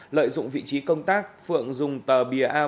lợi dụng vị trí công tác phượng dùng tờ bìa a bốn